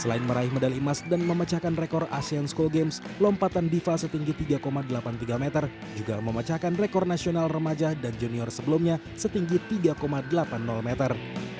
selain meraih medali emas dan memecahkan rekor asean school games lompatan diva setinggi tiga delapan puluh tiga meter juga memecahkan rekor nasional remaja dan junior sebelumnya setinggi tiga delapan puluh meter